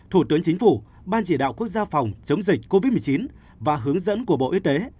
thủ tướng chính phủ ban chỉ đạo quốc gia phòng chống dịch covid một mươi chín và hướng dẫn của bộ y tế